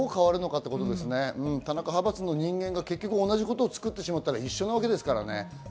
田中派閥の同じ人間が同じことを作ってしまったら意味がないですからね。